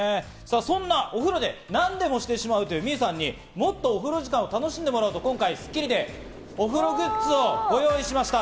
そんなお風呂で何でもしてしまうという望結さんにもっとおふろじかんを楽しんでもらおうと、今回『スッキリ』でお風呂グッズをご用意しました。